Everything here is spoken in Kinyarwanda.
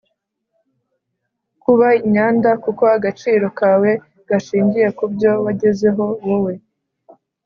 kuba inyanda kuko agaciro kawe gashingiye ku byo wagezeho wowe